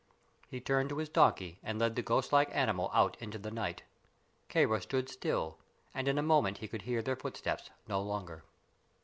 He turned to his donkey and led the ghost like animal out into the night. Kāra stood still, and in a moment he could hear their footsteps no longer.